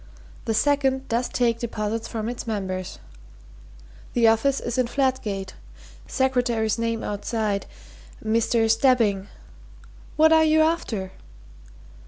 The second does take deposits from its members. The office is in Fladgate secretary's name outside Mr. Stebbing. What are you after?"